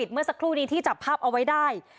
เมื่อสักครู่นี้ที่จับภาพเอาไว้ได้